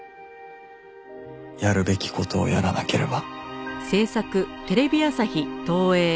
やるべき事をやらなければ